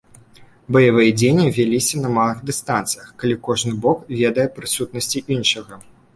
Баявыя дзеянні вяліся на малых дыстанцыях, калі кожны бок ведае аб прысутнасці іншага.